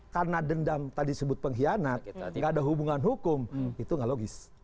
karena dendam tadi sebut pengkhianat gak ada hubungan hukum itu gak logis